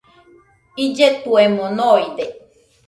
Illetuemo noide.